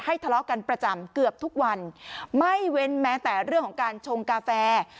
ทะเลาะกันประจำเกือบทุกวันไม่เว้นแม้แต่เรื่องของการชงกาแฟ